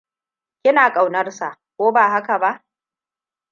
Kina kaunarsa, ko ba haka ba?